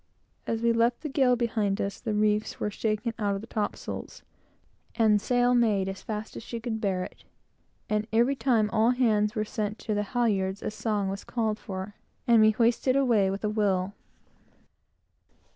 As we left the gale behind us, the reefs were shaken out of the topsails, and sail made as fast as she could bear it; and every time all hands were sent to the halyards, a song was called for, and we hoisted away with a will.